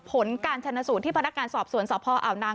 ผลการชนสูตรที่พนักงานสอบสวนสพอาวนาง